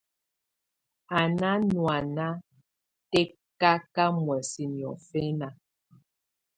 Á ná nùáná tɛkaká muɛ̀sɛ niɔ̀fɛna.